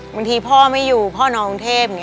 บางทีพ่อไม่อยู่พ่อน้องเทพ